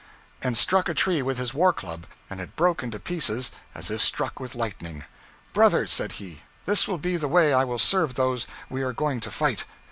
]} and struck a tree with his war club, and it broke into pieces as if struck with lightning. 'Brothers,' said he, 'this will be the way I will serve those we are going to fight.'